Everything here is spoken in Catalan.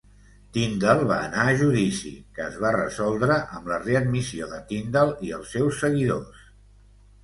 Tyndall va anar a judici, que es va resoldre amb la readmissió de Tyndall i els seus seguidors.